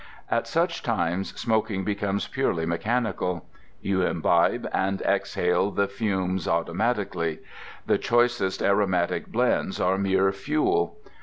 At such times smoking becomes purely mechanical. You imbibe and exhale the fumes automatically. The choicest aromatic blends are mere fuel.